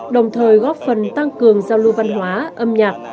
đồng thời góp phần tăng cường giao lưu văn hóa âm nhạc